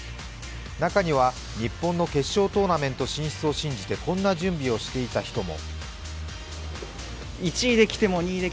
中には、日本の決勝トーナメント進出を信じてこんな準備をしていた人も。